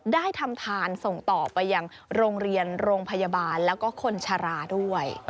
ได้ทำทานส่งต่อไปยังโรงเรียนโรงพยาบาลแล้วก็คนชะลาด้วย